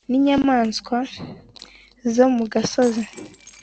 n’inyamaswa zo mu gasozi,